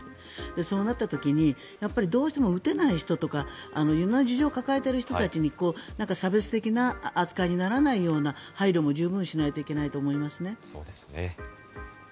そうなった時に打てない人とか色んな事情を抱えている人たちに差別的なことをしないように配慮も十分しないといけないと思いますね。